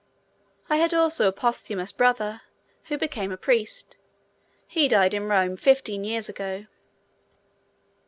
I had also a posthumous brother, who became a priest; he died in Rome fifteen years ago.